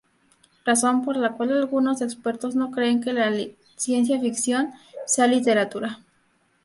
Razón por la cual algunos expertos no creen que la ciencia ficción sea literatura.